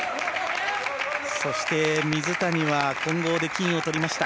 そして水谷は混合で金をとりました。